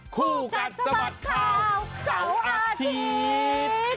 คู่กัดสะบัดข่าวเสาร์อาทิตย์